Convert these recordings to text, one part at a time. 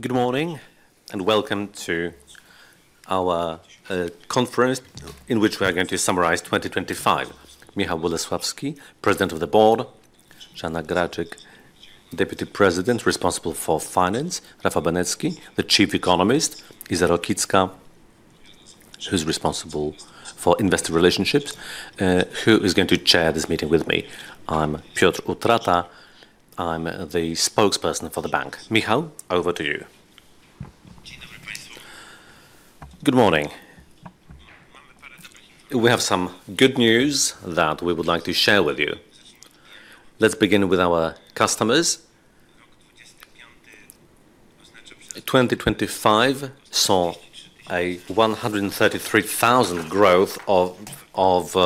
Good morning, and welcome to our conference, in which we are going to summarize 2025. Michał Bolesławski, President of the Board; Bożena Graczyk, Deputy President responsible for finance; Rafał Benecki, the Chief Economist; Iza Rokicka, who's responsible for investor relationships, who is going to chair this meeting with me. I'm Piotr Utrata. I'm the spokesperson for the bank. Michał, over to you. Good morning. We have some good news that we would like to share with you. Let's begin with our customers. 2025 saw a 133,000 growth of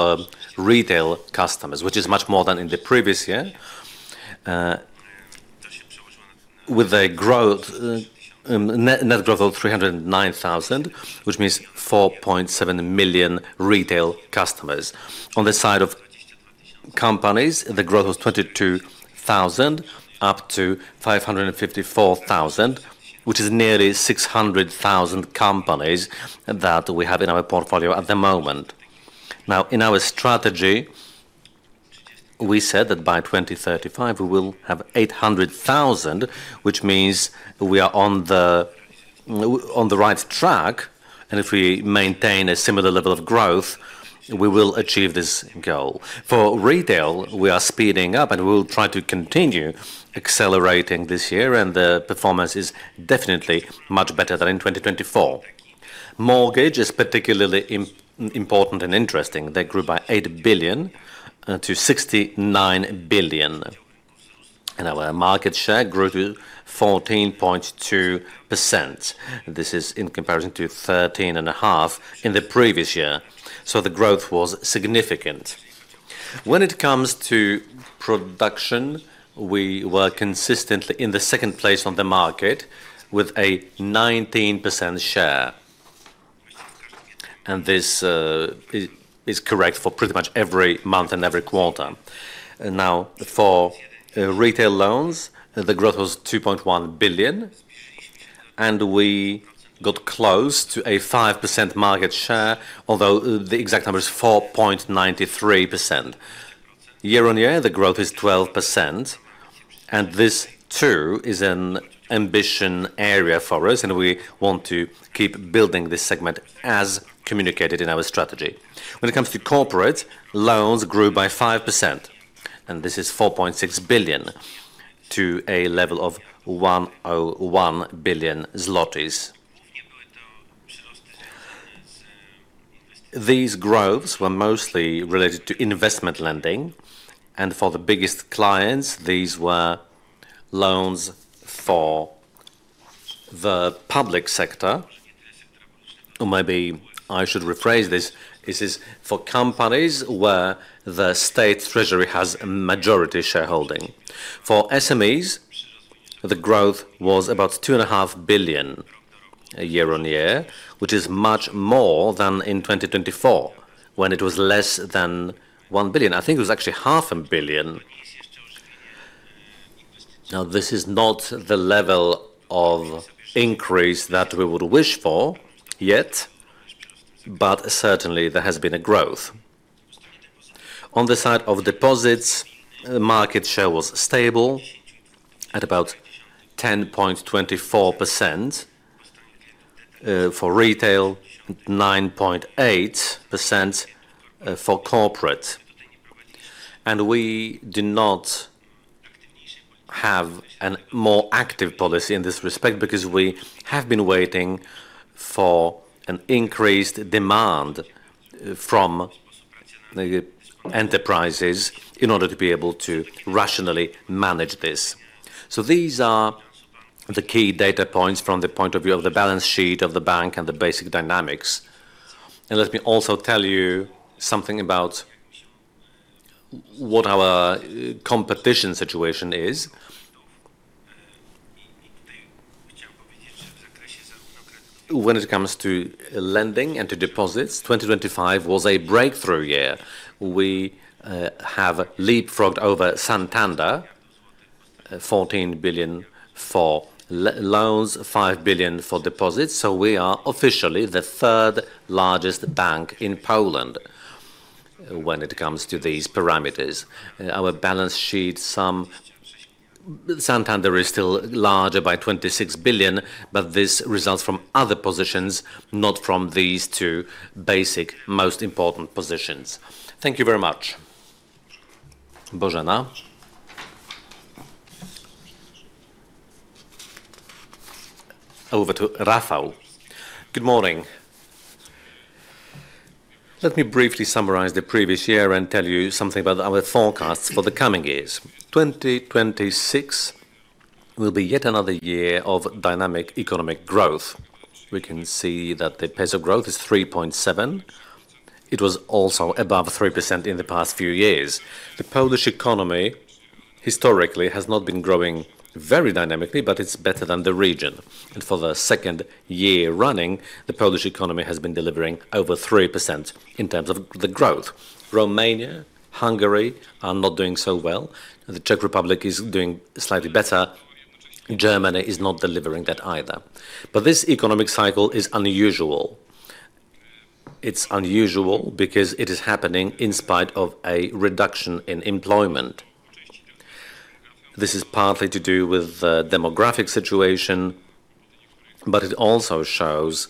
retail customers, which is much more than in the previous year. With a growth, net, net growth of 309,000, which means 4.7 million retail customers. On the side of companies, the growth was 22,000, up to 554,000, which is nearly 600,000 companies that we have in our portfolio at the moment. Now, in our strategy, we said that by 2035 we will have 800,000, which means we are on the, on the right track, and if we maintain a similar level of growth, we will achieve this goal. For retail, we are speeding up, and we will try to continue accelerating this year, and the performance is definitely much better than in 2024. Mortgage is particularly important and interesting. They grew by 8 billion to 69 billion, and our market share grew to 14.2%. This is in comparison to 13.5 in the previous year, so the growth was significant. When it comes to production, we were consistently in the second place on the market, with a 19% share, and this is correct for pretty much every month and every quarter. Now, for retail loans, the growth was 2.1 billion, and we got close to a 5% market share, although the exact number is 4.93%. Year-on-year, the growth is 12%, and this, too, is an ambition area for us, and we want to keep building this segment as communicated in our strategy. When it comes to corporate, loans grew by 5%, and this is 4.6 billion, to a level of 101 billion zlotys. These growths were mostly related to investment lending, and for the biggest clients, these were loans for the public sector. Or maybe I should rephrase this: This is for companies where the State Treasury has a majority shareholding. For SMEs, the growth was about 2.5 billion year-on-year, which is much more than in 2024, when it was less than 1 billion. I think it was actually 0.5 billion. Now, this is not the level of increase that we would wish for, yet, but certainly there has been a growth. On the side of deposits, the market share was stable at about 10.24%, for retail, 9.8%, for corporate. And we do not have a more active policy in this respect because we have been waiting for an increased demand, from the enterprises in order to be able to rationally manage this. So these are the key data points from the point of view of the balance sheet of the bank and the basic dynamics. Let me also tell you something about what our competition situation is. When it comes to lending and to deposits, 2025 was a breakthrough year. We have leapfrogged over Santander, 14 billion for loans, 5 billion for deposits, so we are officially the third-largest bank in Poland when it comes to these parameters. Our balance sheet, some Santander is still larger by 26 billion, but this results from other positions, not from these two basic, most important positions. Thank you very much. Bożena? Over to Rafał. Good morning. Let me briefly summarize the previous year and tell you something about our forecasts for the coming years. 2026 will be yet another year of dynamic economic growth. We can see that the pace of growth is 3.7. It was also above 3% in the past few years. The Polish economy, historically, has not been growing very dynamically, but it's better than the region. For the second year running, the Polish economy has been delivering over 3% in terms of the growth. Romania, Hungary are not doing so well. The Czech Republic is doing slightly better. Germany is not delivering that either. This economic cycle is unusual. It's unusual because it is happening in spite of a reduction in employment. This is partly to do with the demographic situation, but it also shows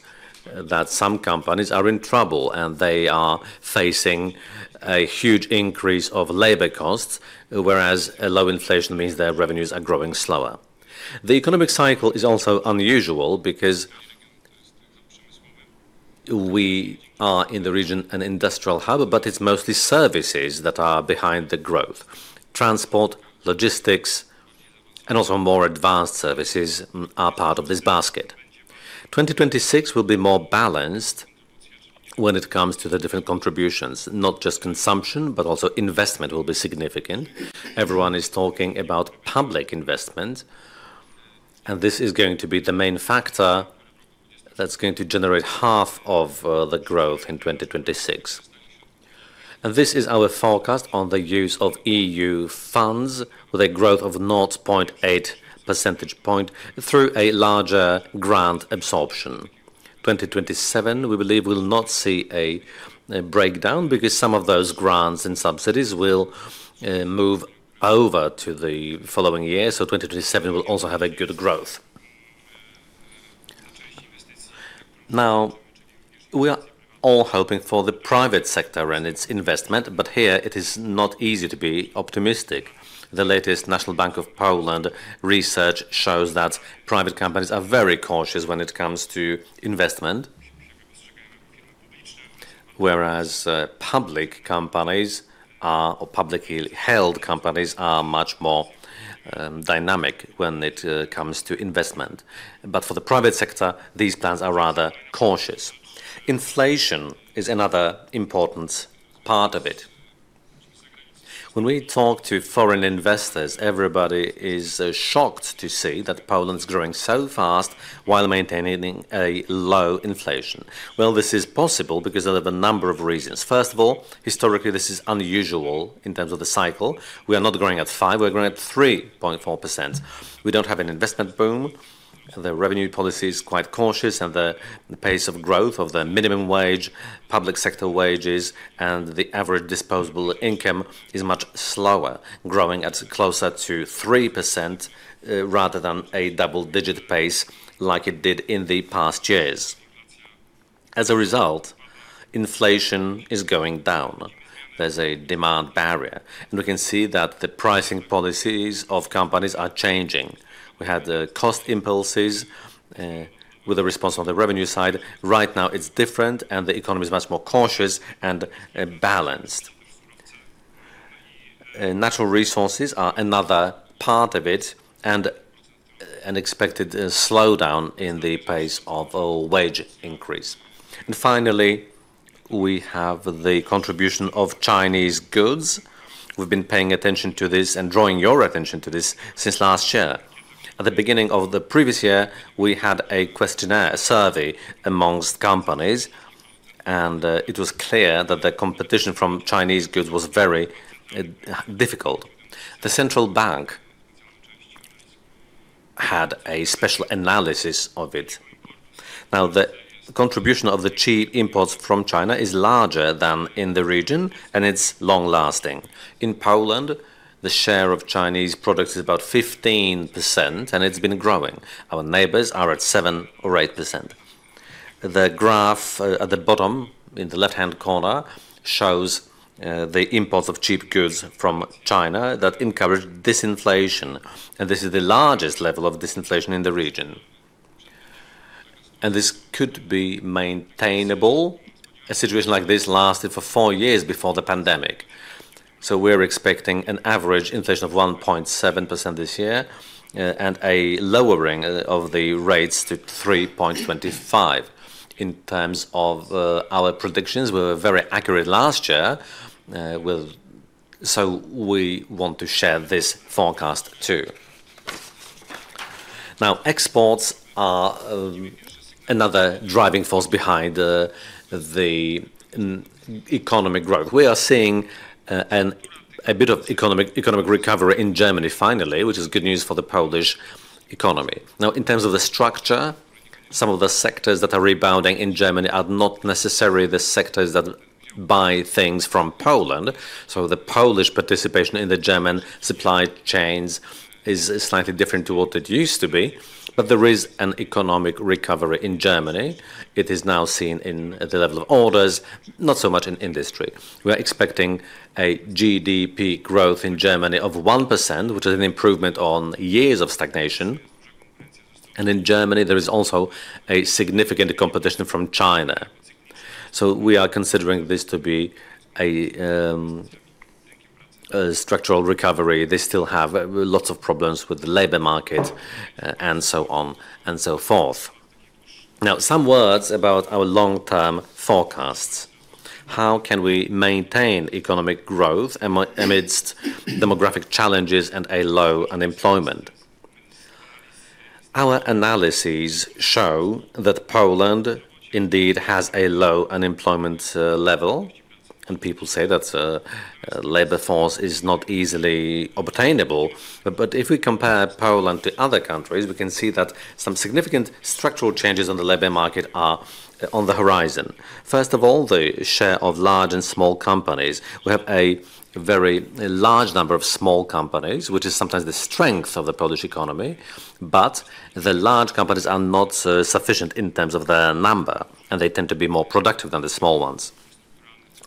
that some companies are in trouble, and they are facing a huge increase of labor costs, whereas a low inflation means their revenues are growing slower. The economic cycle is also unusual because we are, in the region, an industrial hub, but it's mostly services that are behind the growth. Transport, logistics, and also more advanced services are part of this basket. 2026 will be more balanced when it comes to the different contributions. Not just consumption, but also investment will be significant. Everyone is talking about public investment, and this is going to be the main factor that's going to generate half of the growth in 2026. And this is our forecast on the use of EU funds, with a growth of 0.8 percentage point through a larger grant absorption. 2027, we believe, will not see a breakdown because some of those grants and subsidies will move over to the following year, so 2027 will also have a good growth. Now, we are all hoping for the private sector and its investment, but here it is not easy to be optimistic. The latest National Bank of Poland research shows that private companies are very cautious when it comes to investment, whereas public companies or publicly-held companies are much more dynamic when it comes to investment. But for the private sector, these plans are rather cautious. Inflation is another important part of it. When we talk to foreign investors, everybody is shocked to see that Poland's growing so fast while maintaining a low inflation. Well, this is possible because of a number of reasons. First of all, historically, this is unusual in terms of the cycle. We are not growing at 5%, we're growing at 3.4%. We don't have an investment boom. The revenue policy is quite cautious, and the pace of growth of the minimum wage, public sector wages, and the average disposable income is much slower, growing at closer to 3%, rather than a double-digit pace like it did in the past years. As a result, inflation is going down. There's a demand barrier, and we can see that the pricing policies of companies are changing. We had the cost impulses with a response on the revenue side. Right now, it's different, and the economy is much more cautious and balanced. Natural resources are another part of it, and an expected slowdown in the pace of a wage increase. And finally, we have the contribution of Chinese goods. We've been paying attention to this and drawing your attention to this since last year. At the beginning of the previous year, we had a questionnaire, a survey among companies, and it was clear that the competition from Chinese goods was very difficult. The central bank had a special analysis of it. Now, the contribution of the cheap imports from China is larger than in the region, and it's long-lasting. In Poland, the share of Chinese products is about 15%, and it's been growing. Our neighbors are at 7% or 8%. The graph at the bottom, in the left-hand corner, shows the imports of cheap goods from China that encourage disinflation, and this is the largest level of disinflation in the region. And this could be maintainable. A situation like this lasted for four years before the pandemic, so we're expecting an average inflation of 1.7% this year, and a lowering of the rates to 3.25%. In terms of our predictions, we were very accurate last year. So we want to share this forecast, too. Now, exports are another driving force behind the economic growth. We are seeing a bit of economic recovery in Germany finally, which is good news for the Polish economy. Now, in terms of the structure, some of the sectors that are rebounding in Germany are not necessarily the sectors that buy things from Poland, so the Polish participation in the German supply chains is slightly different to what it used to be. But there is an economic recovery in Germany. It is now seen in at the level of orders, not so much in industry. We are expecting a GDP growth in Germany of 1%, which is an improvement on years of stagnation, and in Germany, there is also a significant competition from China. So we are considering this to be a structural recovery. They still have lots of problems with the labor market and so on and so forth. Now, some words about our long-term forecasts. How can we maintain economic growth amidst demographic challenges and a low unemployment? Our analyses show that Poland indeed has a low unemployment level. And people say that labor force is not easily obtainable. But if we compare Poland to other countries, we can see that some significant structural changes on the labor market are on the horizon. First of all, the share of large and small companies. We have a very, large number of small companies, which is sometimes the strength of the Polish economy, but the large companies are not so sufficient in terms of their number, and they tend to be more productive than the small ones.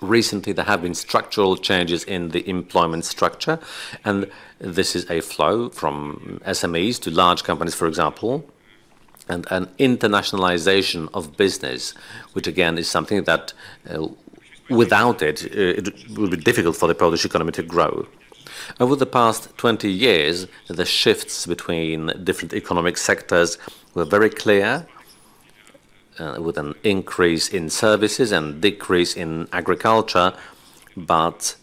Recently, there have been structural changes in the employment structure, and this is a flow from SMEs to large companies, for example, and an internationalization of business, which again, is something that, without it, it would be difficult for the Polish economy to grow. Over the past 20 years, the shifts between different economic sectors were very clear, with an increase in services and decrease in agriculture, but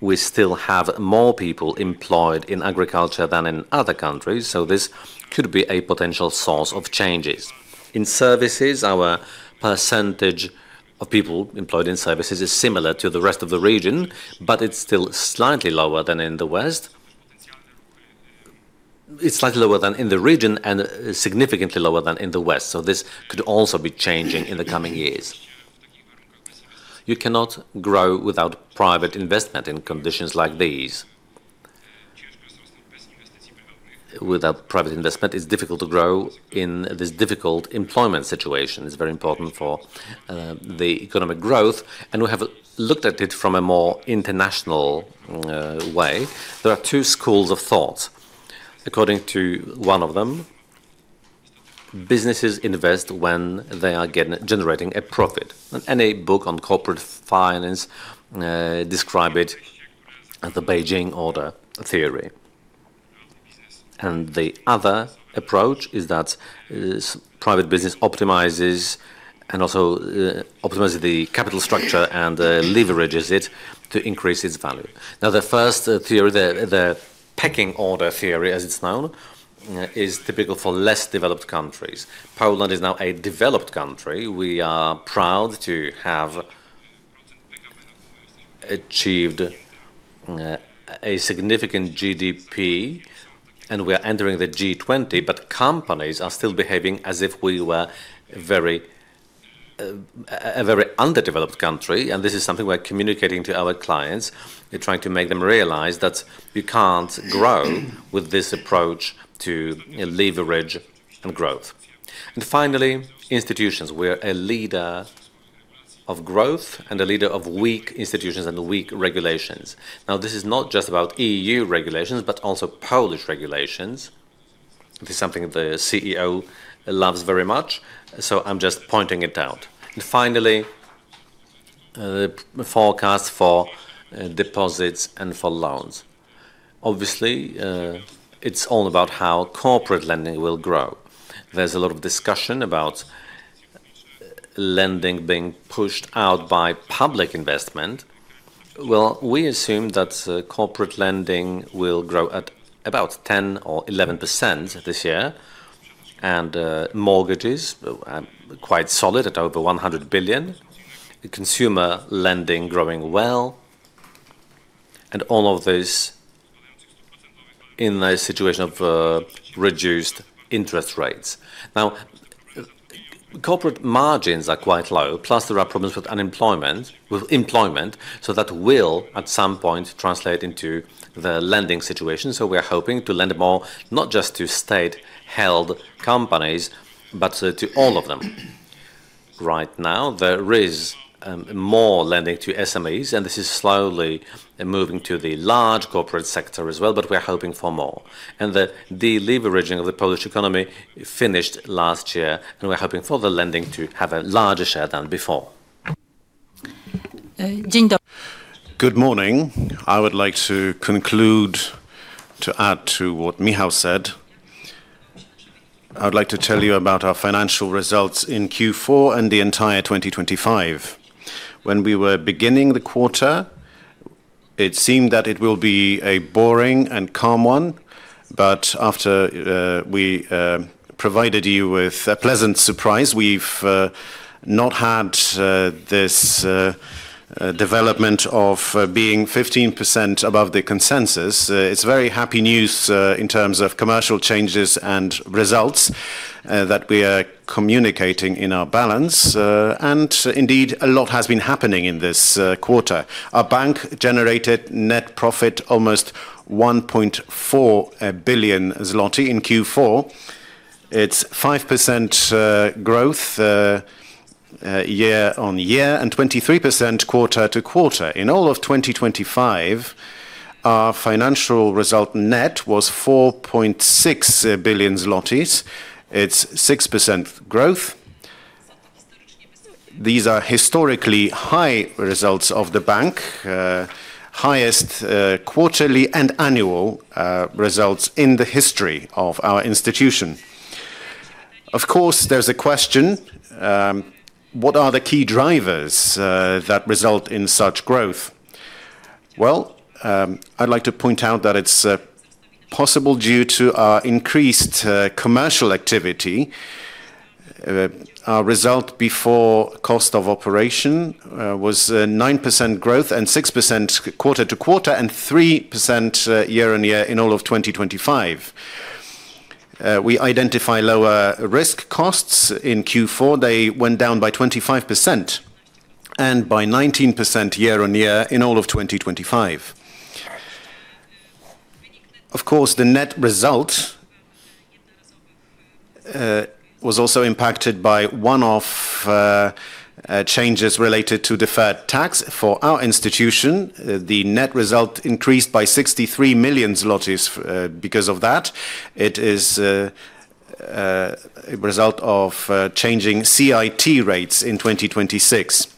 we still have more people employed in agriculture than in other countries, so this could be a potential source of changes. In services, our percentage of people employed in services is similar to the rest of the region, but it's still slightly lower than in the West. It's slightly lower than in the region and significantly lower than in the West, so this could also be changing in the coming years. You cannot grow without private investment in conditions like these. Without private investment, it's difficult to grow in this difficult employment situation. It's very important for the economic growth, and we have looked at it from a more international way. There are two schools of thought. According to one of them, businesses invest when they are generating a profit. Any book on corporate finance describe it as the Pecking Order Theory. The other approach is that private business optimizes and also optimizes the capital structure and leverages it to increase its value. Now, the first theory, the Pecking Order Theory, as it's known, is typical for less developed countries. Poland is now a developed country. We are proud to have achieved a significant GDP, and we are entering the G-20, but companies are still behaving as if we were a very underdeveloped country, and this is something we're communicating to our clients. We're trying to make them realize that you can't grow with this approach to leverage and growth. And finally, institutions. We're a leader of growth and a leader of weak institutions and weak regulations. Now, this is not just about EU regulations, but also Polish regulations. This is something the CEO loves very much, so I'm just pointing it out. And finally, the forecast for deposits and for loans. Obviously, it's all about how corporate lending will grow. There's a lot of discussion about lending being pushed out by public investment. Well, we assume that corporate lending will grow at about 10% or 11% this year, and mortgages are quite solid at over 100 billion. Consumer lending growing well, and all of this in a situation of reduced interest rates. Now, corporate margins are quite low, plus there are problems with unemployment, with employment, so that will, at some point, translate into the lending situation. So we're hoping to lend more, not just to state-held companies, but to all of them. Right now, there is more lending to SMEs, and this is slowly moving to the large corporate sector as well, but we're hoping for more. The leveraging of the Polish economy finished last year, and we're hoping for the lending to have a larger share than before. Good morning. I would like to conclude, to add to what Michał said. I would like to tell you about our financial results in Q4 and the entire 2025. When we were beginning the quarter, it seemed that it will be a boring and calm one, but after we provided you with a pleasant surprise, we've not had this development of being 15% above the consensus. It's very happy news in terms of commercial changes and results that we are communicating in our balance. And indeed, a lot has been happening in this quarter. Our bank generated net profit, almost 1.4 billion zloty in Q4. It's 5% growth year-on-year, and 23% quarter-to-quarter. In all of 2025, our financial result net was 4.6 billion zlotys. It's 6% growth. These are historically high results of the bank, highest, quarterly and annual, results in the history of our institution. Of course, there's a question: What are the key drivers that result in such growth? Well, I'd like to point out that it's possible due to our increased commercial activity. Our result before cost of operation was a 9% growth, and 6% quarter-over-quarter, and 3% year-over-year in all of 2025. We identify lower risk costs. In Q4, they went down by 25%, and by 19% year-over-year in all of 2025. Of course, the net result was also impacted by one-off changes related to deferred tax. For our institution, the net result increased by 63 million zlotys because of that. It is a result of changing CIT rates in 2026.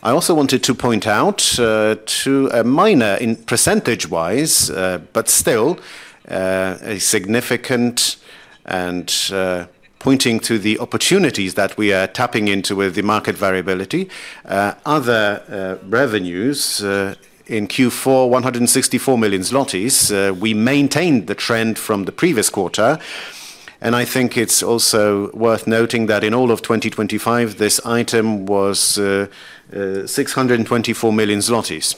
I also wanted to point out to a minor in percentage-wise but still a significant and pointing to the opportunities that we are tapping into with the market variability. Other revenues in Q4, 164 million zlotys, we maintained the trend from the previous quarter, and I think it's also worth noting that in all of 2025, this item was 624 million zlotys.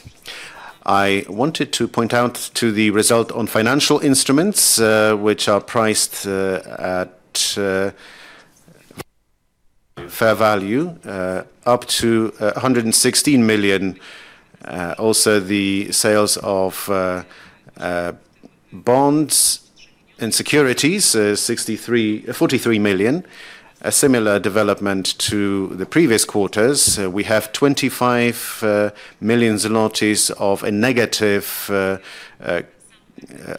I wanted to point out the result on financial instruments, which are priced at fair value, up to 116 million. Also, the sales of bonds and securities, 43 million, a similar development to the previous quarters. We have 25 million zlotys of a negative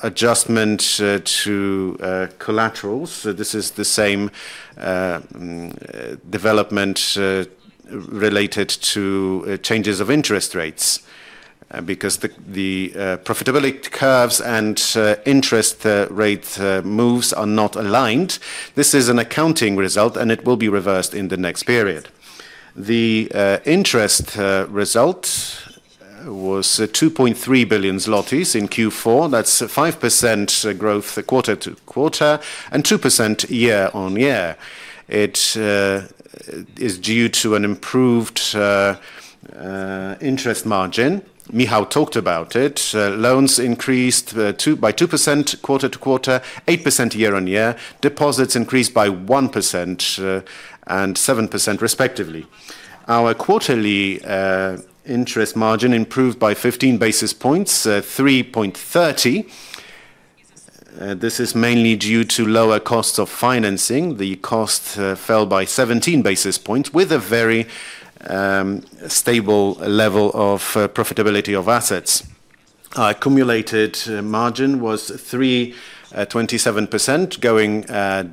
adjustment to collaterals. So this is the same development related to changes of interest rates. Because the profitability curves and interest rate moves are not aligned. This is an accounting result, and it will be reversed in the next period. The interest result was 2.3 billion zlotys in Q4. That's a 5% growth, quarter-over-quarter, and 2% year-on-year. It is due to an improved interest margin. Michał talked about it. Loans increased by 2% quarter-over-quarter, 8% year-on-year. Deposits increased by 1% and 7%, respectively. Our quarterly interest margin improved by 15 basis points, 3.30%. This is mainly due to lower costs of financing. The cost fell by 17 basis points, with a very stable level of profitability of assets. Our cumulated margin was 3.27%, going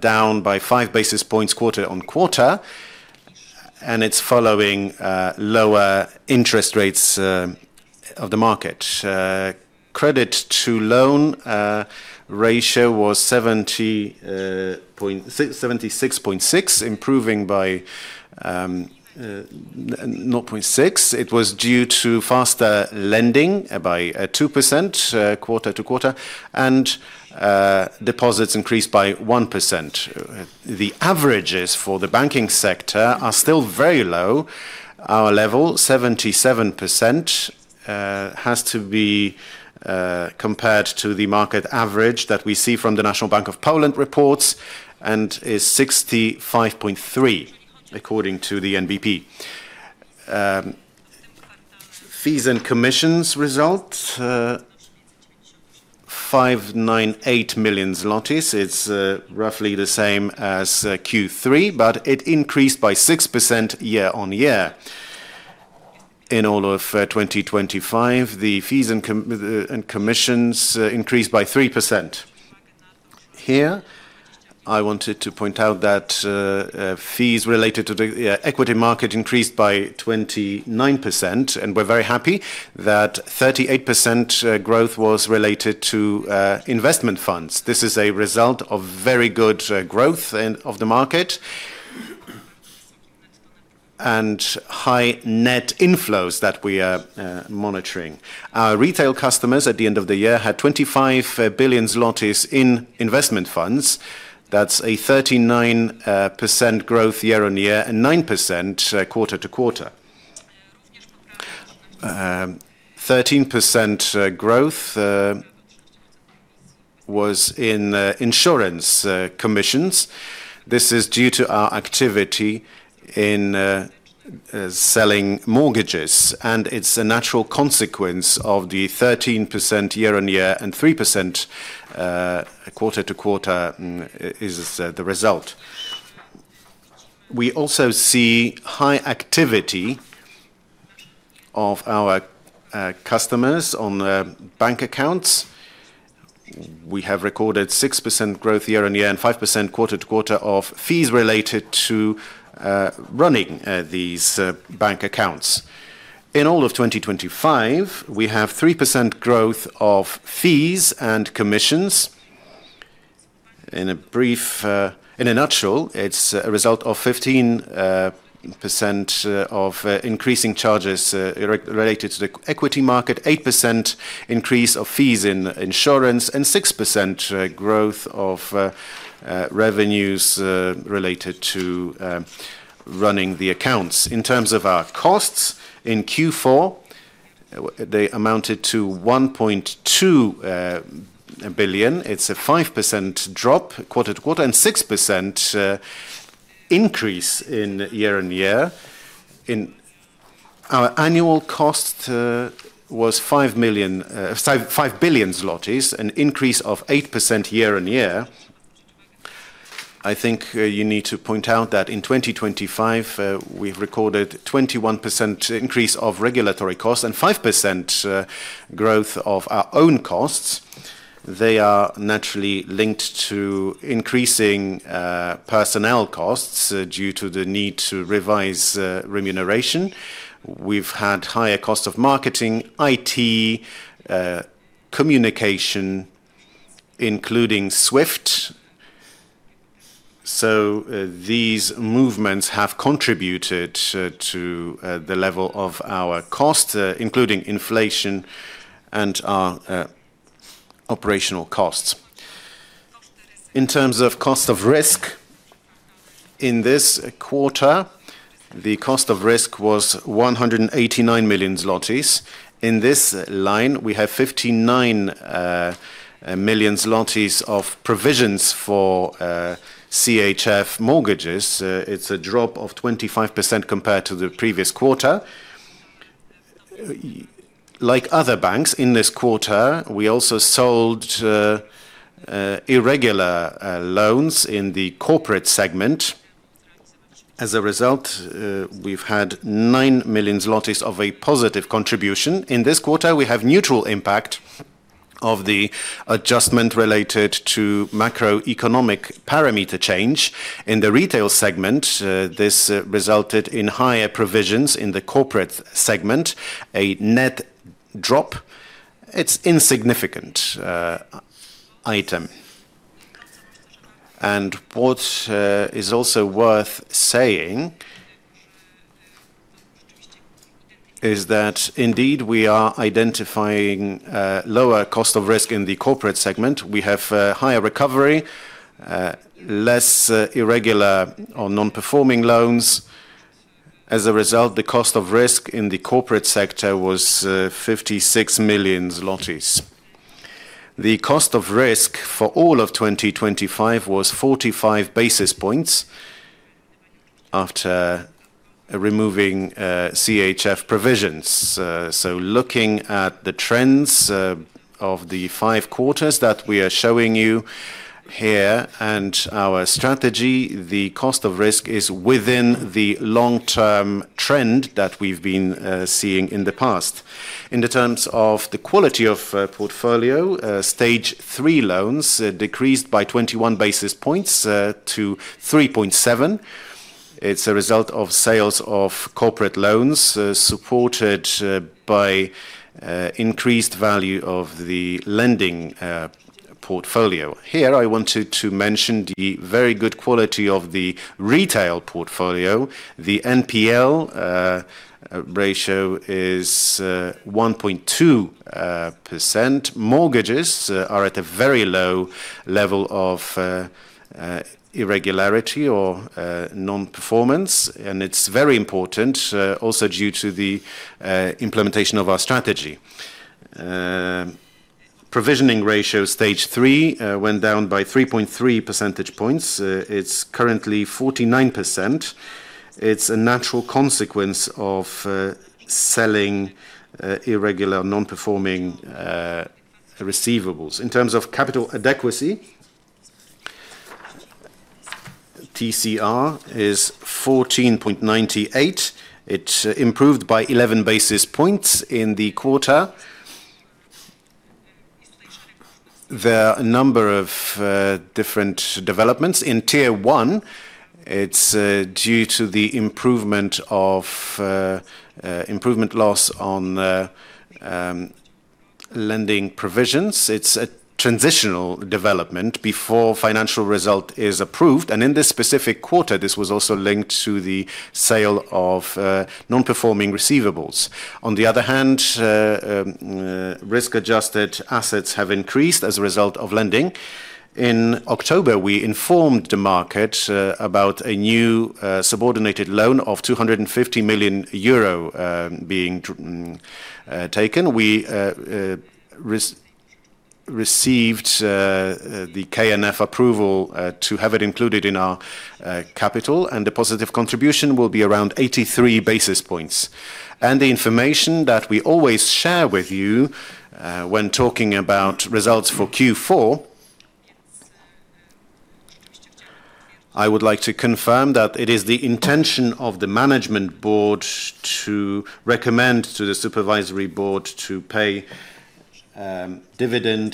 down by 5 basis points, quarter-on-quarter, and it's following lower interest rates of the market. Credit-to-loan ratio was 76.6%, improving by 0.6. It was due to faster lending by 2% quarter-to-quarter, and deposits increased by 1%. The averages for the banking sector are still very low. Our level, 77%, has to be compared to the market average that we see from the National Bank of Poland reports, and is 65.3%, according to the NBP. Fees and commissions result 598 million zlotys. It's roughly the same as Q3, but it increased by 6% year-on-year. In all of 2025, the fees and commissions increased by 3%. Here, I wanted to point out that fees related to the equity market increased by 29%, and we're very happy that 38% growth was related to investment funds. This is a result of very good growth of the market, and high net inflows that we are monitoring. Our retail customers, at the end of the year, had 25 billion zlotys in investment funds. That's a 39% growth year-on-year, and 9% quarter-on-quarter. 13% growth was in insurance commissions. This is due to our activity in selling mortgages, and it's a natural consequence of the 13% year-on-year and 3% quarter-on-quarter, is the result. We also see high activity of our customers on their bank accounts. We have recorded 6% growth year-on-year and 5% quarter-on-quarter of fees related to running these bank accounts. In all of 2025, we have 3% growth of fees and commissions. In a brief, in a nutshell, it's a result of 15% of increasing charges related to the equity market, 8% increase of fees in insurance, and 6% growth of revenues related to running the accounts. In terms of our costs, in Q4, they amounted to 1.2 billion. It's a 5% drop quarter-to-quarter, and 6% increase year-on-year. Our annual cost was 5.5 billion zlotys, an increase of 8% year-on-year. I think you need to point out that in 2025, we've recorded 21% increase of regulatory costs and 5% growth of our own costs. They are naturally linked to increasing personnel costs due to the need to revise remuneration. We've had higher cost of marketing, IT, communication, including SWIFT. So these movements have contributed to the level of our cost including inflation and our operational costs. In terms of cost of risk, in this quarter, the cost of risk was 189 million zlotys. In this line, we have 59 million zlotys of provisions for CHF mortgages. It's a drop of 25% compared to the previous quarter. Like other banks in this quarter, we also sold irregular loans in the corporate segment. As a result, we've had 9 million zlotys of a positive contribution. In this quarter, we have neutral impact of the adjustment related to macroeconomic parameter change. In the retail segment, this resulted in higher provisions. In the corporate segment, a net drop. It's insignificant item. And what is also worth saying is that, indeed, we are identifying lower cost of risk in the corporate segment. We have higher recovery, less irregular or non-performing loans. As a result, the cost of risk in the corporate sector was 56 million zlotys. The cost of risk for all of 2025 was 45 basis points after removing CHF provisions. So looking at the trends of the five quarters that we are showing you here and our strategy, the cost of risk is within the long-term trend that we've been seeing in the past. In the terms of the quality of portfolio, stage 3 loans decreased by 21 basis points to 3.7. It's a result of sales of corporate loans supported by increased value of the lending portfolio. Here, I wanted to mention the very good quality of the retail portfolio. The NPL ratio is 1.2%. Mortgages are at a very low level of irregularity or non-performance, and it's very important also due to the implementation of our strategy. Provisioning ratio, stage 3, went down by 3.3 percentage points. It's currently 49%. It's a natural consequence of selling irregular, non-performing receivables. In terms of capital adequacy, TCR is 14.98%. It improved by 11 basis points in the quarter. There are a number of different developments. In Tier 1, it's due to the improvement of improvement loss on lending provisions. It's a transitional development before financial result is approved, and in this specific quarter, this was also linked to the sale of non-performing receivables. On the other hand, risk-adjusted assets have increased as a result of lending. In October, we informed the market about a new subordinated loan of 250 million euro being taken. We received the KNF approval to have it included in our capital, and the positive contribution will be around 83 basis points. The information that we always share with you, when talking about results for Q4, I would like to confirm that it is the intention of the management board to recommend to the supervisory board to pay dividend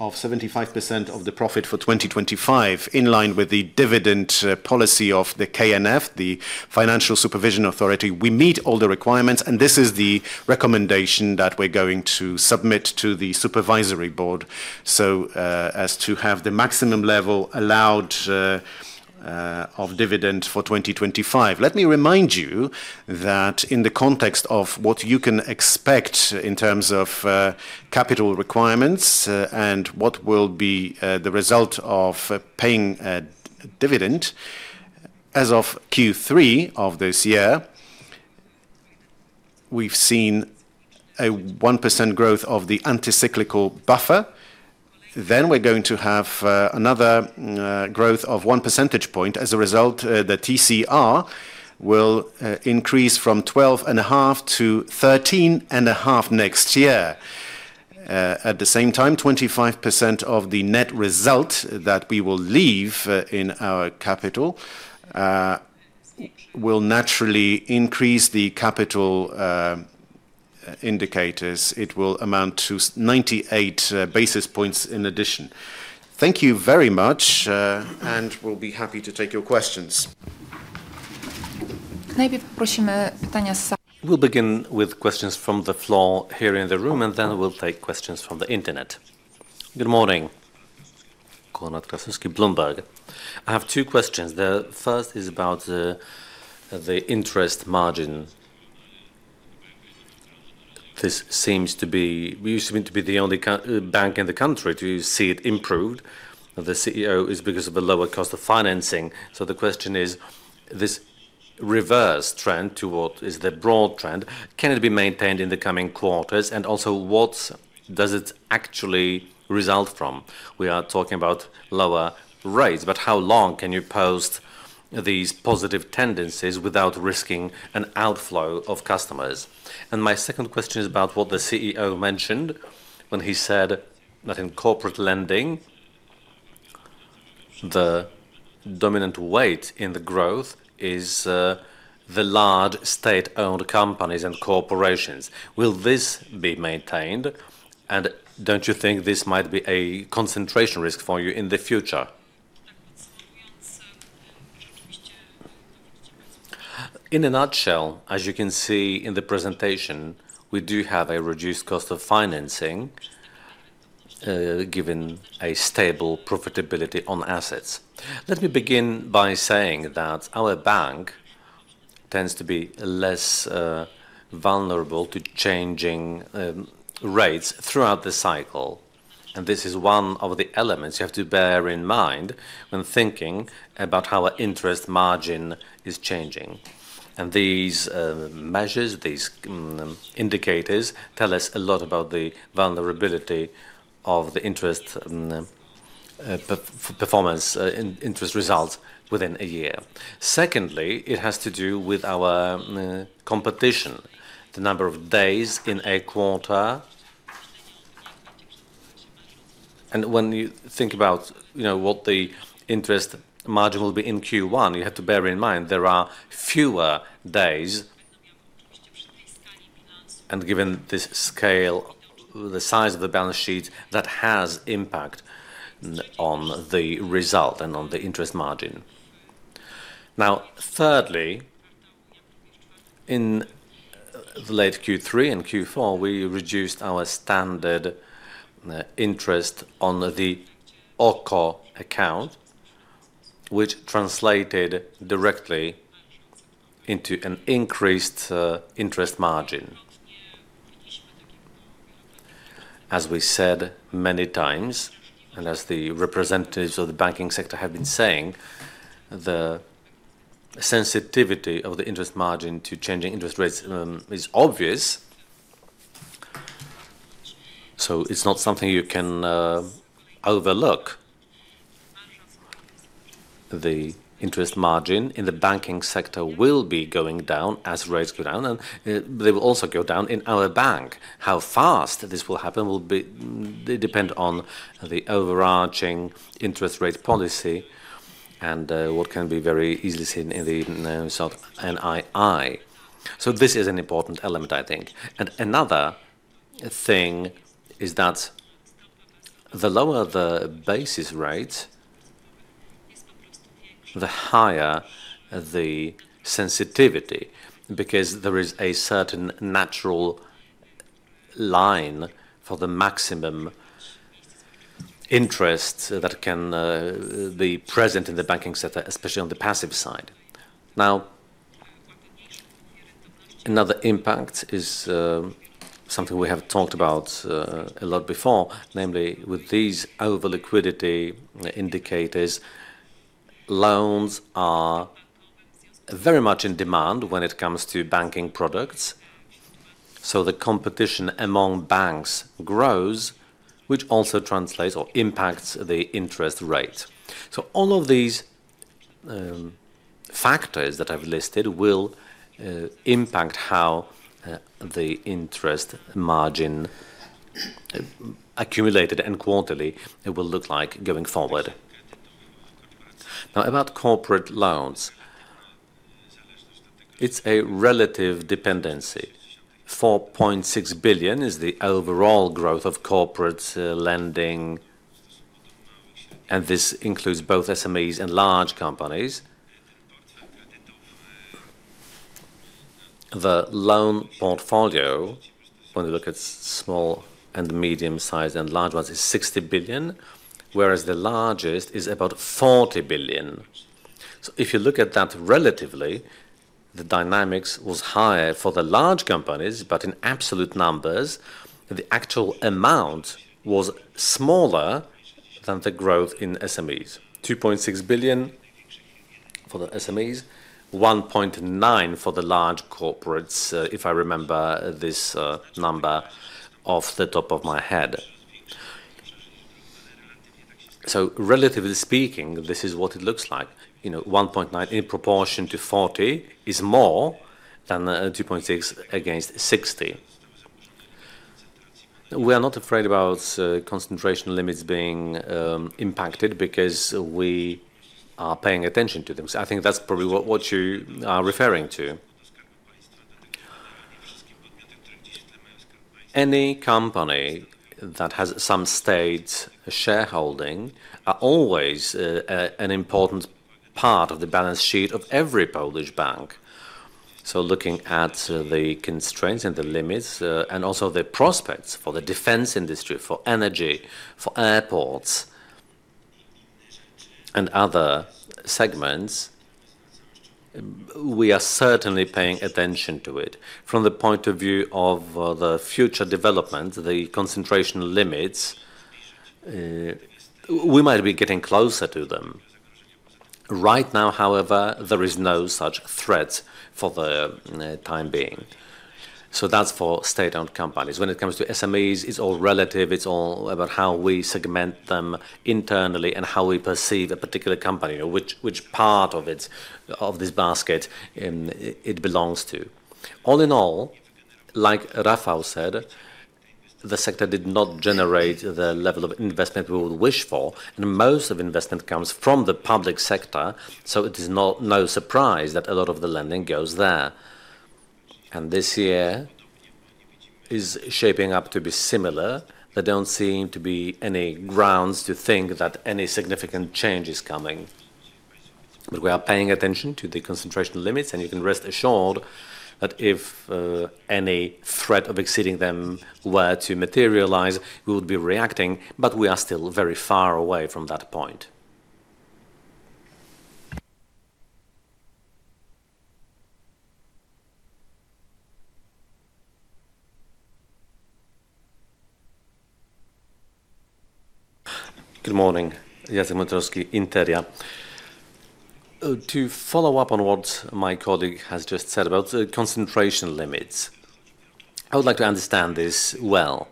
of 75% of the profit for 2025, in line with the dividend policy of the KNF, the Financial Supervision Authority. We meet all the requirements, and this is the recommendation that we're going to submit to the supervisory board, so as to have the maximum level allowed of dividend for 2025. Let me remind you that in the context of what you can expect in terms of capital requirements and what will be the result of paying a dividend, as of Q3 of this year, we've seen a 1% growth of the anti-cyclical buffer. Then we're going to have another growth of one percentage point. As a result, the TCR will increase from 12.5% to 13.5% next year. At the same time, 25% of the net result that we will leave in our capital will naturally increase the capital indicators. It will amount to 98 basis points in addition. Thank you very much, and we'll be happy to take your questions. We'll begin with questions from the floor here in the room, and then we'll take questions from the internet. Good morning. Konrad Krasuski, Bloomberg. I have two questions. The first is about the interest margin. This seems to be... We seem to be the only bank in the country to see it improved. The CEO is because of the lower cost of financing. So the question is, this reverse trend to what is the broad trend, can it be maintained in the coming quarters? And also, what does it actually result from? We are talking about lower rates, but how long can you post these positive tendencies without risking an outflow of customers? And my second question is about what the CEO mentioned when he said that in corporate lending, the dominant weight in the growth is the large state-owned companies and corporations. Will this be maintained? And don't you think this might be a concentration risk for you in the future? In a nutshell, as you can see in the presentation, we do have a reduced cost of financing given a stable profitability on assets. Let me begin by saying that our bank tends to be less vulnerable to changing rates throughout the cycle, and this is one of the elements you have to bear in mind when thinking about how our interest margin is changing. These measures, these indicators, tell us a lot about the vulnerability of the interest performance in interest results within a year. Secondly, it has to do with our competition, the number of days in a quarter. When you think about, you know, what the interest margin will be in Q1, you have to bear in mind there are fewer days. Given the scale, the size of the balance sheet, that has impact on the result and on the interest margin. Now, thirdly, in late Q3 and Q4, we reduced our standard interest on the OKO Account, which translated directly into an increased interest margin. As we said many times, and as the representatives of the banking sector have been saying, the sensitivity of the interest margin to changing interest rates is obvious. So it's not something you can overlook. The interest margin in the banking sector will be going down as rates go down, and they will also go down in our bank. How fast this will happen will be depend on the overarching interest rate policy and what can be very easily seen in the sort of NII. So this is an important element, I think. And another thing is that the lower the basis rate, the higher the sensitivity, because there is a certain natural line for the maximum interest that can be present in the banking sector, especially on the passive side. Now, another impact is something we have talked about a lot before, namely, with these over-liquidity indicators, loans are very much in demand when it comes to banking products. So the competition among banks grows, which also translates or impacts the interest rate. So all of these factors that I've listed will impact how the interest margin accumulated and quarterly it will look like going forward. Now, about corporate loans. It's a relative dependency. 4.6 billion is the overall growth of corporate lending, and this includes both SMEs and large companies. The loan portfolio, when you look at small and medium-sized and large ones, is 60 billion, whereas the largest is about 40 billion. So if you look at that relatively, the dynamics was higher for the large companies, but in absolute numbers, the actual amount was smaller than the growth in SMEs. 2.6 billion for the SMEs, 1.9 billion for the large corporates, if I remember this number off the top of my head. So relatively speaking, this is what it looks like. You know, 1.9 in proportion to 40 is more than 2.6 against 60. We are not afraid about concentration limits being impacted because we are paying attention to them. So I think that's probably what you are referring to. Any company that has some state shareholding are always an important part of the balance sheet of every Polish bank. So looking at the constraints and the limits, and also the prospects for the defense industry, for energy, for airports, and other segments, we are certainly paying attention to it. From the point of view of the future development, the concentration limits, we might be getting closer to them. Right now, however, there is no such threat for the time being. So that's for state-owned companies. When it comes to SMEs, it's all relative. It's all about how we segment them internally and how we perceive a particular company, or which part of it, of this basket, it belongs to. All in all, like Rafał said, the sector did not generate the level of investment we would wish for, and most of investment comes from the public sector, so it is no surprise that a lot of the lending goes there. And this year is shaping up to be similar. There don't seem to be any grounds to think that any significant change is coming. But we are paying attention to the concentration limits, and you can rest assured that if any threat of exceeding them were to materialize, we would be reacting, but we are still very far away from that point. Good morning. Jason Matrowski, Interia. To follow up on what my colleague has just said about the concentration limits, I would like to understand this well.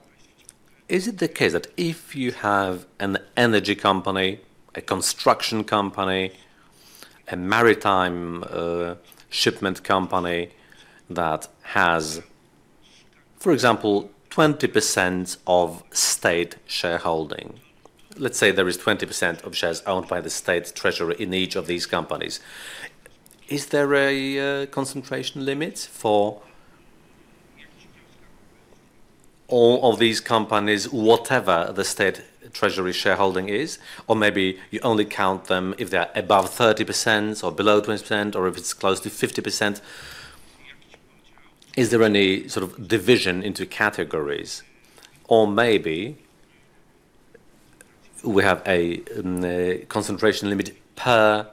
Is it the case that if you have an energy company, a construction company, a maritime shipment company that has, for example, 20% of state shareholding? Let's say there is 20% of shares owned by the State Treasury in each of these companies. Is there a concentration limit for all of these companies, whatever the State Treasury shareholding is? Or maybe you only count them if they're above 30% or below 20%, or if it's close to 50%. Is there any sort of division into categories? Or maybe we have a concentration limit per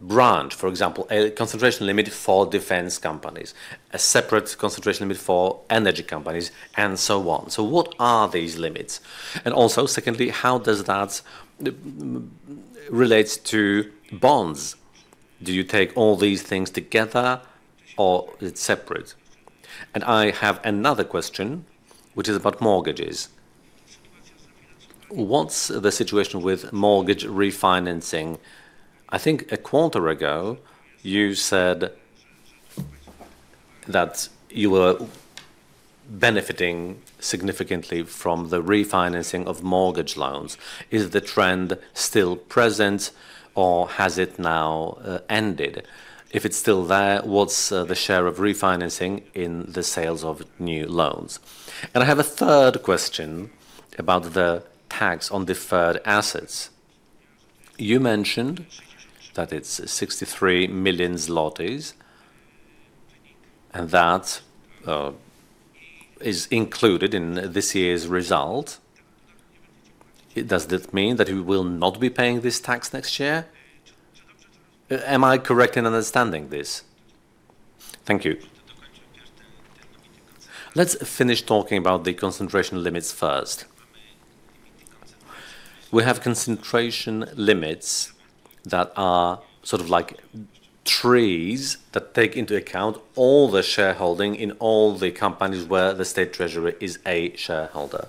branch, for example, a concentration limit for defense companies, a separate concentration limit for energy companies, and so on. So what are these limits? Also, secondly, how does that relate to bonds? Do you take all these things together or it's separate? I have another question, which is about mortgages. What's the situation with mortgage refinancing? I think a quarter ago, you said that you were benefiting significantly from the refinancing of mortgage loans. Is the trend still present or has it now ended? If it's still there, what's the share of refinancing in the sales of new loans? I have a third question about the tax on deferred assets. You mentioned that it's 63 million zlotys, and that is included in this year's result. Does that mean that you will not be paying this tax next year? Am I correct in understanding this? Thank you. Let's finish talking about the concentration limits first. We have concentration limits that are sort of like trees that take into account all the shareholding in all the companies where the State Treasury is a shareholder.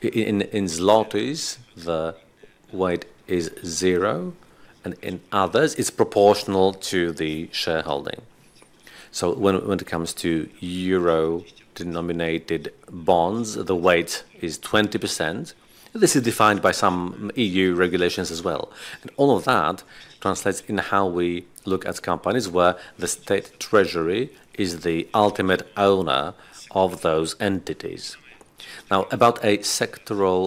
In zlotys, the weight is zero, and in others, it's proportional to the shareholding. So when it comes to euro-denominated bonds, the weight is 20%. This is defined by some EU regulations as well. And all of that translates in how we look at companies, where the State Treasury is the ultimate owner of those entities. Now, about a sectoral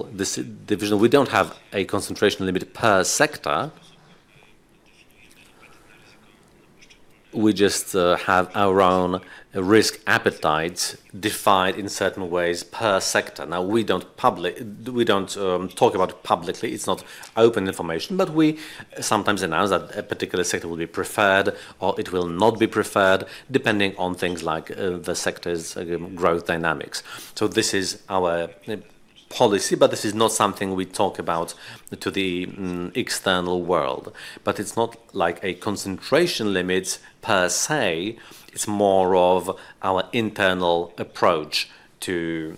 division, we don't have a concentration limit per sector. We just have our own risk appetite defined in certain ways per sector. Now, we don't talk about it publicly. It's not open information, but we sometimes announce that a particular sector will be preferred or it will not be preferred, depending on things like, the sector's, growth dynamics. So this is our, policy, but this is not something we talk about to the, external world. But it's not like a concentration limit per se, it's more of our internal approach to,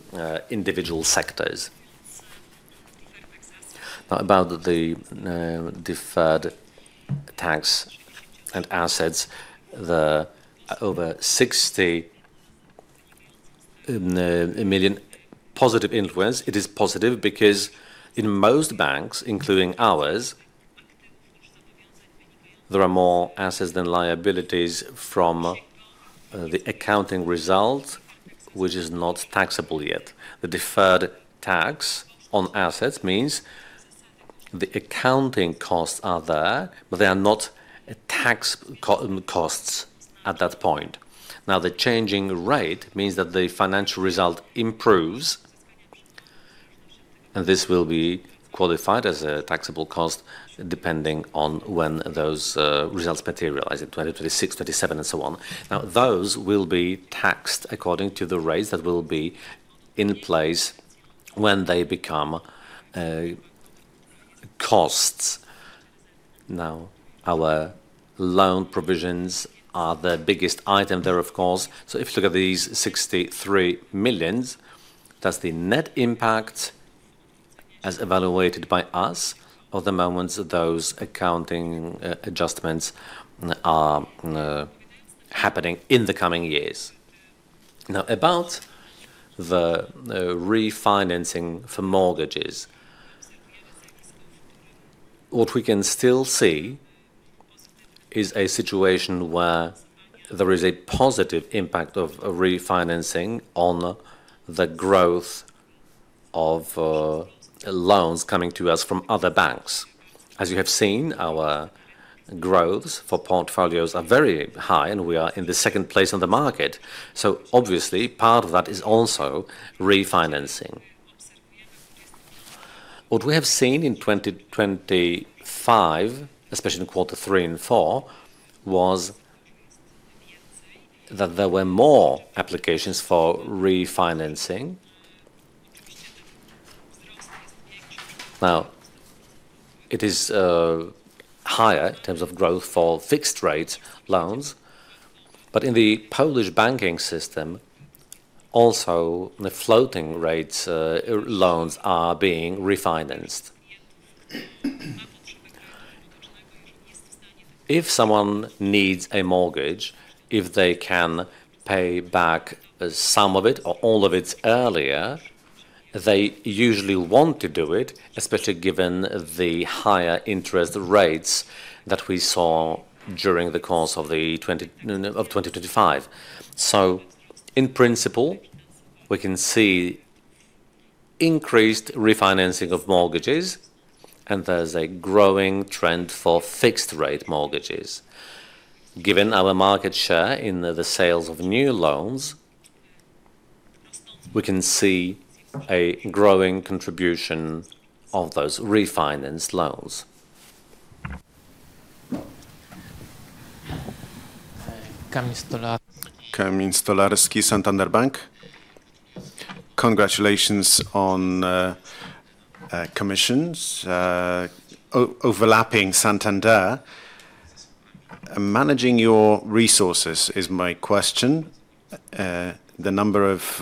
individual sectors. Now, about the, deferred tax assets, the over 60 million positive influence, it is positive because in most banks, including ours, there are more assets than liabilities from, the accounting result, which is not taxable yet. The deferred tax on assets means the accounting costs are there, but they are not tax costs at that point. Now, the changing rate means that the financial result improves, and this will be qualified as a taxable cost, depending on when those results materialize, in 2026, 2027, and so on. Now, those will be taxed according to the rates that will be in place when they become costs. Now, our loan provisions are the biggest item there, of course. So if you look at these 63 million, that's the net impact as evaluated by us of the moments those accounting adjustments are happening in the coming years. Now, about the refinancing for mortgages, what we can still see is a situation where there is a positive impact of refinancing on the growth of loans coming to us from other banks. As you have seen, our growths for portfolios are very high, and we are in the second place on the market, so obviously, part of that is also refinancing. What we have seen in 2025, especially in quarter three and four, was that there were more applications for refinancing. Now, it is higher in terms of growth for fixed rate loans, but in the Polish banking system, also the floating rate loans are being refinanced. If someone needs a mortgage, if they can pay back some of it or all of it earlier, they usually want to do it, especially given the higher interest rates that we saw during the course of 2025. So in principle, we can see increased refinancing of mortgages, and there's a growing trend for fixed rate mortgages. Given our market share in the sales of new loans, we can see a growing contribution of those refinanced loans. Kamil Stolarski. Kamil Stolarski, Santander Bank. Congratulations on commissions. Overtaking Santander, managing your resources is my question. The number of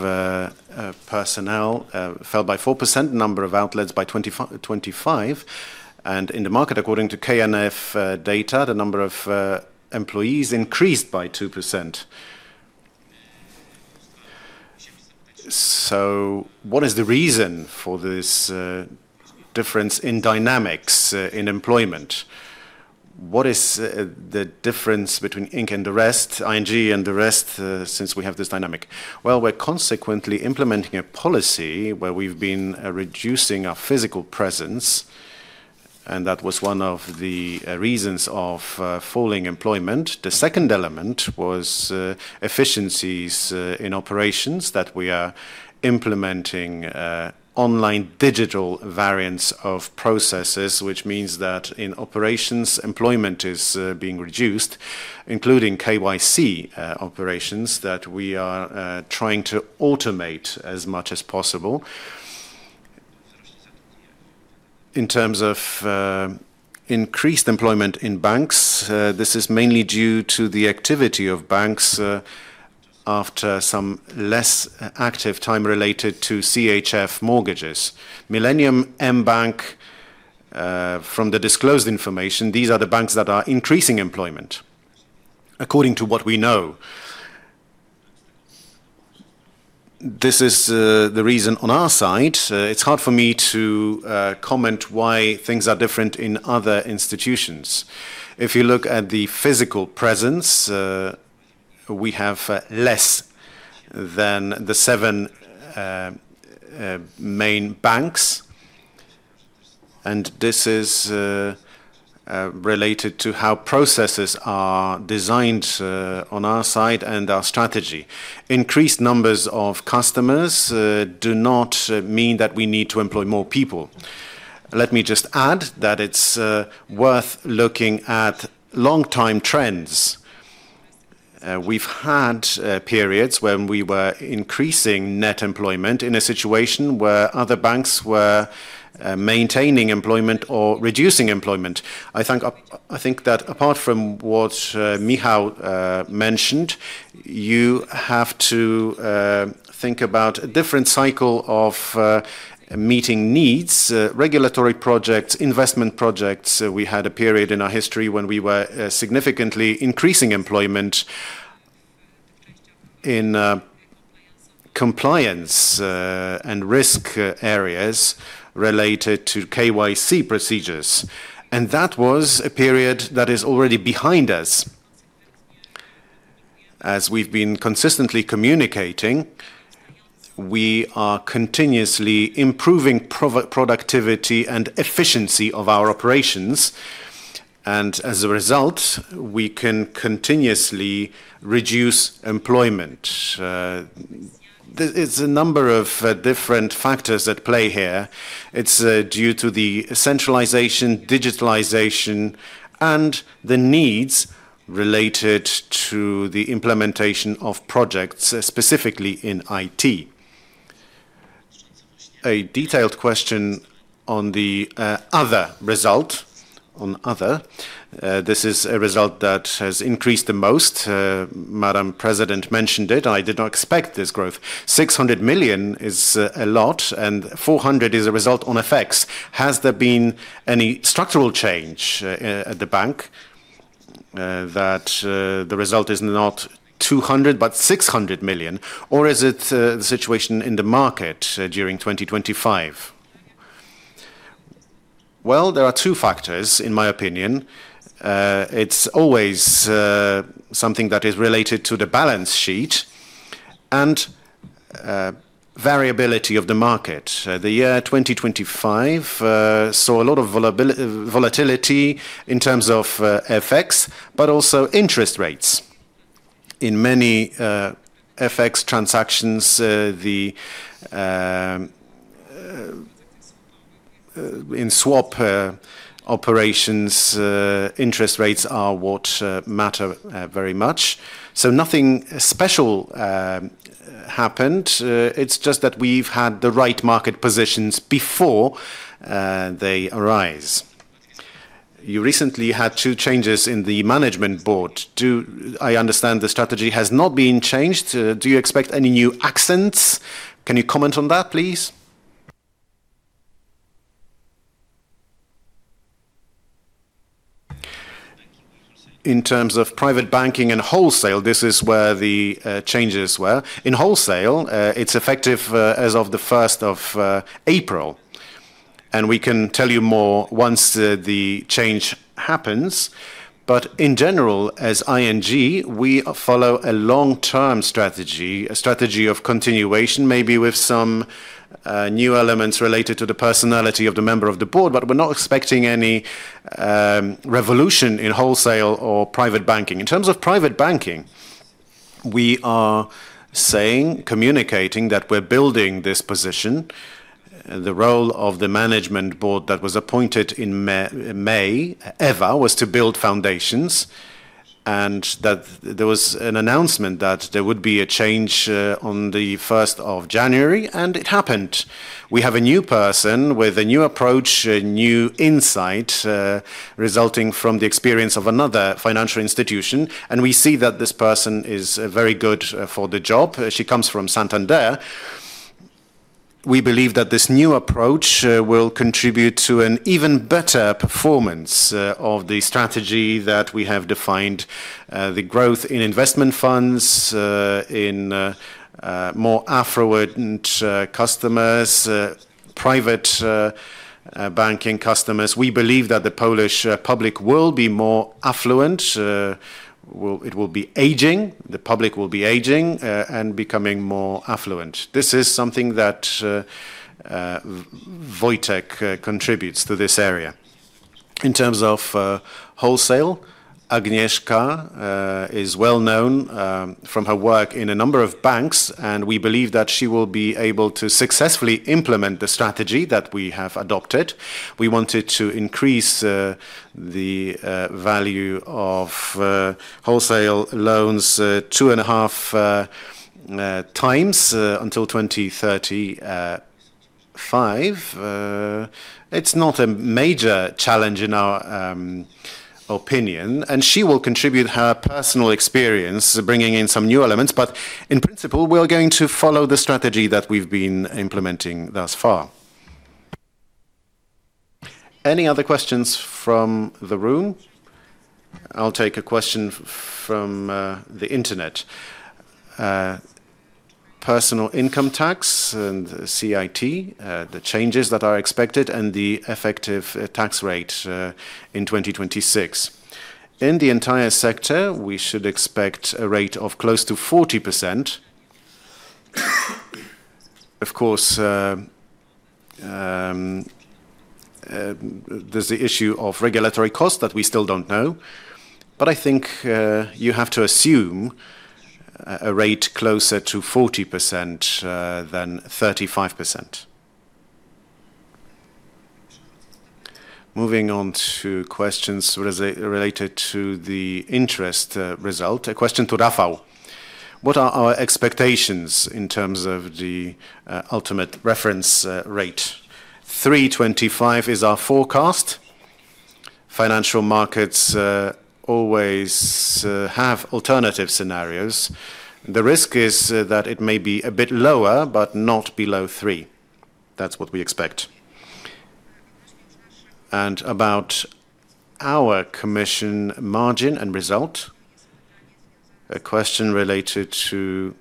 personnel fell by 4%, number of outlets by 2025, and in the market, according to KNF data, the number of employees increased by 2%. So what is the reason for this difference in dynamics in employment? What is the difference between ING and the rest, ING and the rest, since we have this dynamic? Well, we're consequently implementing a policy where we've been reducing our physical presence, and that was one of the reasons of falling employment. The second element was efficiencies in operations that we are implementing online digital variants of processes, which means that in operations, employment is being reduced, including KYC operations that we are trying to automate as much as possible. In terms of increased employment in banks, this is mainly due to the activity of banks after some less active time related to CHF mortgages. Millennium, mBank, from the disclosed information, these are the banks that are increasing employment, according to what we know. This is the reason on our side. It's hard for me to comment why things are different in other institutions. If you look at the physical presence, we have less than the seven main banks, and this is related to how processes are designed on our side and our strategy. Increased numbers of customers do not mean that we need to employ more people. Let me just add that it's worth looking at long-term trends. We've had periods when we were increasing net employment in a situation where other banks were maintaining employment or reducing employment. I think that apart from what Michał mentioned, you have to think about a different cycle of meeting needs, regulatory projects, investment projects. We had a period in our history when we were significantly increasing employment in compliance and risk areas related to KYC procedures, and that was a period that is already behind us. As we've been consistently communicating, we are continuously improving productivity and efficiency of our operations, and as a result, we can continuously reduce employment. It's a number of different factors at play here. It's due to the centralization, digitalization, and the needs related to the implementation of projects, specifically in IT. A detailed question on the other result, on other. This is a result that has increased the most. Madam President mentioned it, and I did not expect this growth. 600 million is a lot, and 400 million is a result on effects. Has there been any structural change at the bank that the result is not 200 million but 600 million? Or is it the situation in the market during 2025? Well, there are two factors, in my opinion. It's always something that is related to the balance sheet and variability of the market. The year 2025 saw a lot of volatility in terms of FX, but also interest rates. In many FX transactions, in swap operations, interest rates are what matter very much. So nothing special happened. It's just that we've had the right market positions before they arise. You recently had two changes in the management board. Do I understand the strategy has not been changed? Do you expect any new accents? Can you comment on that, please? In terms of private banking and wholesale, this is where the changes were. In wholesale, it's effective as of the first of April, and we can tell you more once the change happens. But in general, as ING, we follow a long-term strategy, a strategy of continuation, maybe with some new elements related to the personality of the member of the board, but we're not expecting any revolution in wholesale or private banking. In terms of private banking, we are saying, communicating, that we're building this position. The role of the management board that was appointed in May, Ewa, was to build foundations, and that there was an announcement that there would be a change on the first of January, and it happened. We have a new person with a new approach, a new insight resulting from the experience of another financial institution, and we see that this person is very good for the job. She comes from Santander. We believe that this new approach will contribute to an even better performance of the strategy that we have defined, the growth in investment funds in more affluent customers, private banking customers. We believe that the Polish public will be more affluent. Well, it will be aging. The public will be aging and becoming more affluent. This is something that Wojciech contributes to this area. In terms of wholesale, Agnieszka is well-known from her work in a number of banks, and we believe that she will be able to successfully implement the strategy that we have adopted. We wanted to increase the value of wholesale loans 2.5x until 2035. It's not a major challenge in our opinion, and she will contribute her personal experience, bringing in some new elements. But in principle, we are going to follow the strategy that we've been implementing thus far. Any other questions from the room? I'll take a question from the internet. Personal income tax and CIT, the changes that are expected, and the effective tax rate in 2026. In the entire sector, we should expect a rate of close to 40%. Of course, there's the issue of regulatory costs that we still don't know, but I think you have to assume a rate closer to 40% than 35%. Moving on to questions related to the interest result. A question to Rafał: What are our expectations in terms of the ultimate reference rate? 3.25 is our forecast. Financial markets always have alternative scenarios. The risk is that it may be a bit lower, but not below 3. That's what we expect. And about our commission margin and result, a question related to: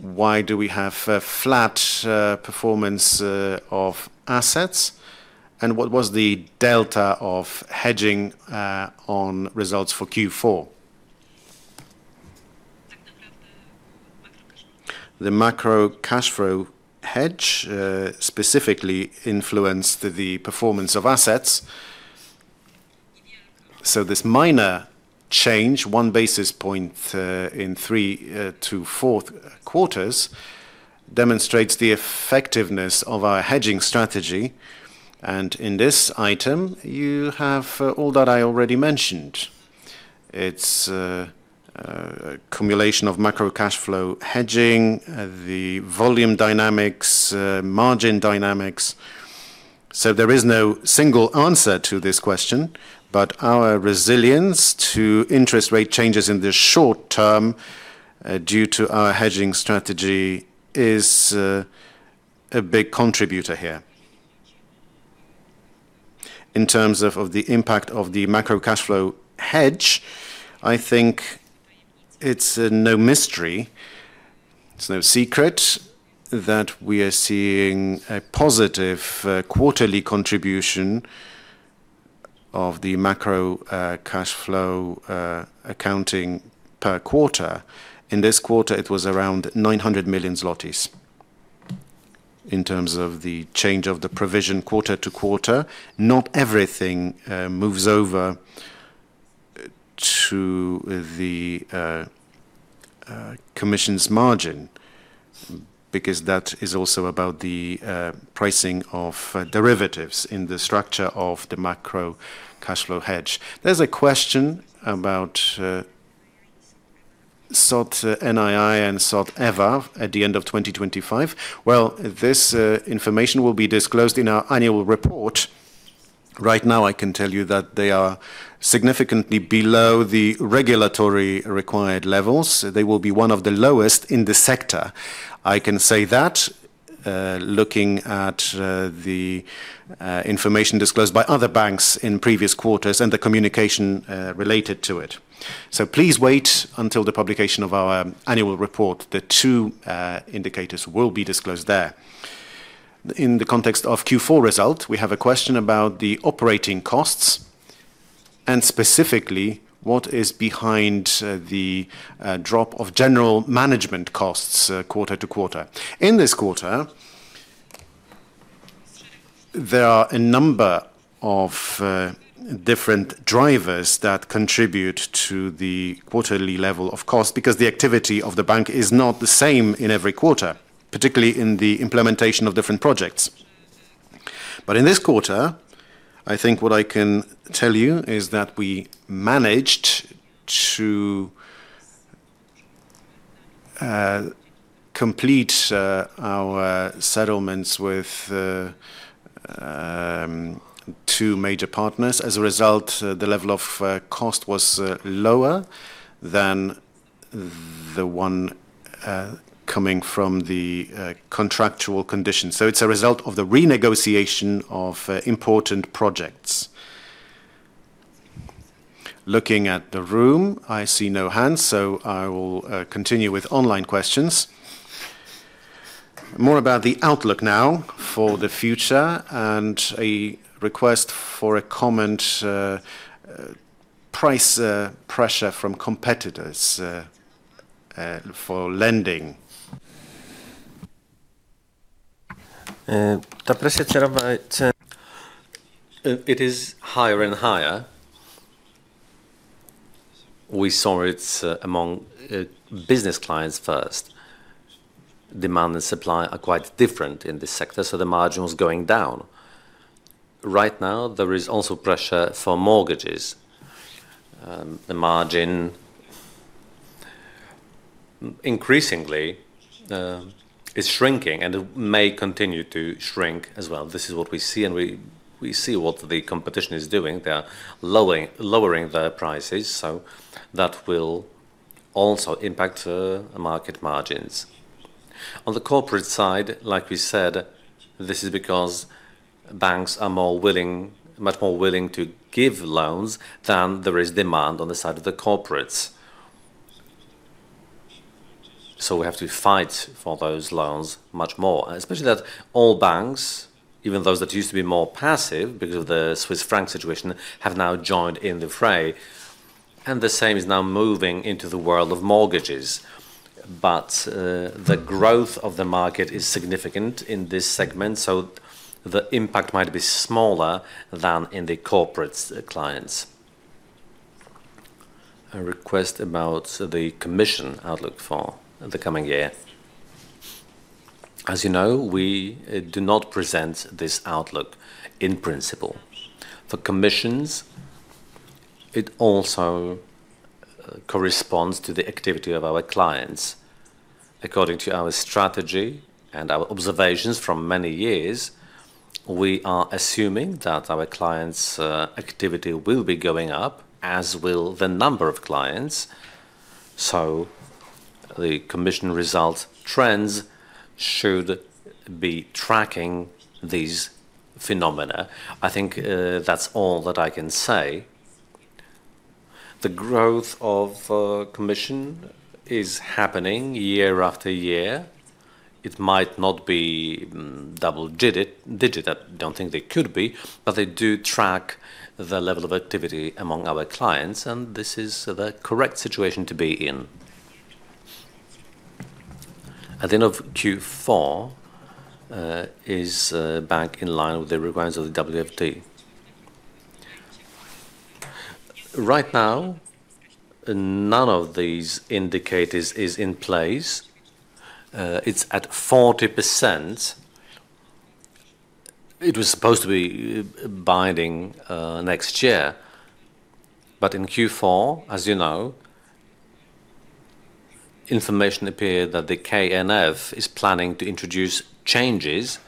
Why do we have a flat performance of assets, and what was the delta of hedging on results for Q4? The Macro Cash Flow Hedge specifically influenced the performance of assets. So this minor change, 1 basis point, in three to fourth quarters, demonstrates the effectiveness of our hedging strategy, and in this item, you have all that I already mentioned. It's a cumulation of Macro Cash Flow Hedging, the volume dynamics, margin dynamics. So there is no single answer to this question, but our resilience to interest rate changes in the short term, due to our hedging strategy, is a big contributor here. In terms of the impact of the Macro Cash Flow Hedge, I think it's no mystery, it's no secret, that we are seeing a positive quarterly contribution of the macro cash flow accounting per quarter. In this quarter, it was around 900 million zlotys. In terms of the change of the provision quarter to quarter, not everything moves over to the commission's margin, because that is also about the pricing of derivatives in the structure of the macro cash flow hedge. There's a question about SOT NII and SOT EVE at the end of 2025. Well, this information will be disclosed in our annual report. Right now, I can tell you that they are significantly below the regulatory required levels. They will be one of the lowest in the sector. I can say that, looking at the information disclosed by other banks in previous quarters and the communication related to it. So please wait until the publication of our annual report. The two indicators will be disclosed there. In the context of Q4 result, we have a question about the operating costs, and specifically, what is behind the drop of general management costs quarter-over-quarter. In this quarter, there are a number of different drivers that contribute to the quarterly level of cost, because the activity of the bank is not the same in every quarter, particularly in the implementation of different projects. But in this quarter, I think what I can tell you is that we managed to complete our settlements with two major partners. As a result, the level of cost was lower than the one coming from the contractual conditions. So it's a result of the renegotiation of important projects. Looking at the room, I see no hands, so I will continue with online questions. More about the outlook now for the future, and a request for a comment, price pressure from competitors for lending. The pressure, it is higher and higher. We saw it among business clients first. Demand and supply are quite different in this sector, so the margin was going down. Right now, there is also pressure for mortgages. The margin increasingly, it's shrinking, and it may continue to shrink as well. This is what we see, and we see what the competition is doing. They are lowering their prices, so that will also impact the market margins. On the corporate side, like we said, this is because banks are more willing, much more willing to give loans than there is demand on the side of the corporates. So we have to fight for those loans much more, especially that all banks, even those that used to be more passive because of the Swiss franc situation, have now joined in the fray, and the same is now moving into the world of mortgages. But the growth of the market is significant in this segment, so the impact might be smaller than in the corporate clients. A request about the commission outlook for the coming year. As you know, we do not present this outlook in principle. For commissions, it also corresponds to the activity of our clients. According to our strategy and our observations from many years, we are assuming that our clients' activity will be going up, as will the number of clients, so the commission result trends should be tracking these phenomena. I think that's all that I can say. The growth of commission is happening year after year. It might not be double-digit. I don't think they could be, but they do track the level of activity among our clients, and this is the correct situation to be in. At the end of Q4 is back in line with the requirements of the WFD. Right now, none of these indicators is in place. It's at 40%. It was supposed to be binding next year, but in Q4, as you know, information appeared that the KNF is planning to introduce changes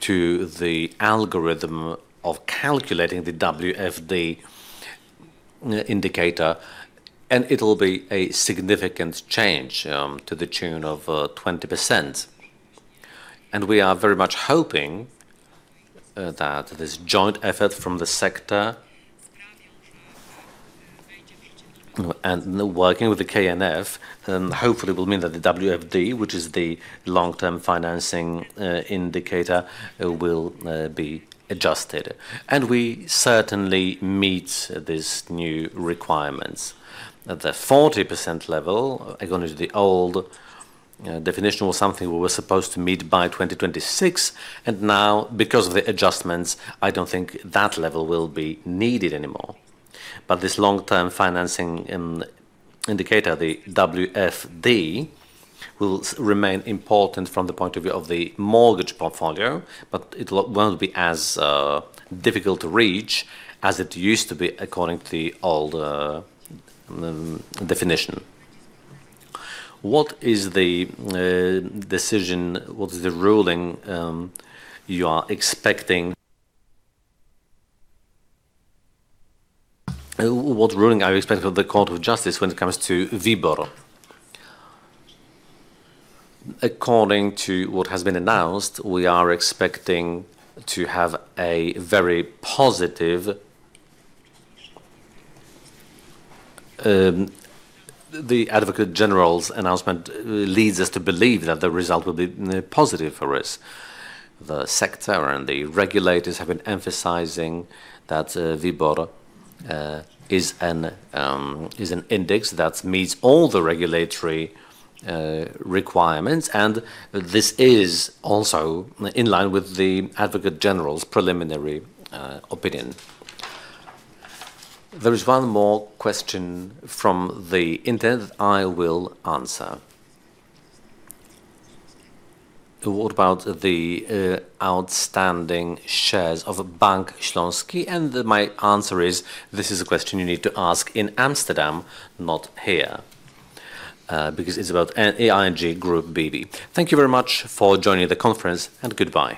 to the algorithm of calculating the WFD indicator, and it'll be a significant change to the tune of 20%. And we are very much hoping that this joint effort from the sector and working with the KNF, hopefully will mean that the WFD, which is the long-term financing indicator, will be adjusted, and we certainly meet these new requirements. At the 40% level, according to the old definition, was something we were supposed to meet by 2026, and now, because of the adjustments, I don't think that level will be needed anymore. But this long-term financing indicator, the WFD, will remain important from the point of view of the mortgage portfolio, but it won't be as difficult to reach as it used to be according to the older definition. What is the decision, what is the ruling you are expecting? What ruling are you expecting from the Court of Justice when it comes to WIBOR? According to what has been announced, we are expecting to have a very positive... The Advocate General's announcement leads us to believe that the result will be positive for us. The sector and the regulators have been emphasizing that WIBOR is an index that meets all the regulatory requirements, and this is also in line with the Advocate General's preliminary opinion. There is one more question from the internet I will answer. What about the outstanding shares of Bank Śląski? My answer is, this is a question you need to ask in Amsterdam, not here, because it's about ING Group BV. Thank you very much for joining the conference, and goodbye.